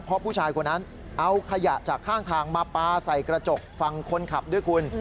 เพราะผู้ชายคนนั้นเอาขยะจากข้างทางมาปลาใส่กระจกฝั่งคนขับด้วยคุณ